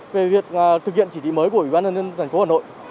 về việc thực hiện chỉ thị mới của ủy ban nhân dân thành phố hà nội